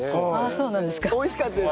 美味しかったです。